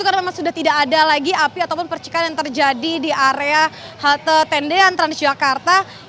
karena memang sudah tidak ada lagi api ataupun percikan yang terjadi di area halte tendean transjakarta